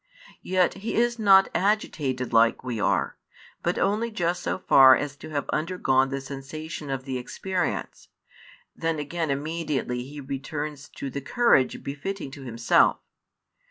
Yet He is not agitated like we are, but only just so far as to have undergone the sensation of the experience; then again immediately He returns to the courage befitting to Himself.